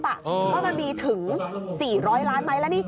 ว่ามันมีถึง๔๐๐ล้านไหมแล้วนี่